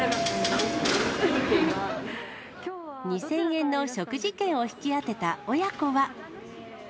２０００円の食事券を引き当てた親子は。